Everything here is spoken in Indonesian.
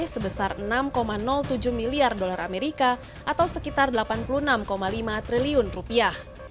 sebesar enam tujuh miliar dolar amerika atau sekitar delapan puluh enam lima triliun rupiah